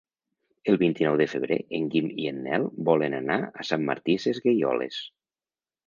El vint-i-nou de febrer en Guim i en Nel volen anar a Sant Martí Sesgueioles.